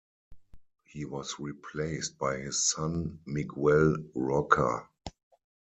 He was replaced by his son Miguel Roca.